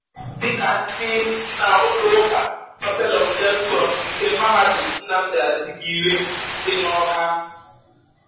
Dịka ndị nna ụlọụka 'Chapel of Redemption' nke mahadum Nnamdị Azikiwe dị n'Awka